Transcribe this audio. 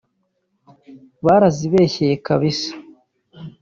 Barazibeshyeye kabisa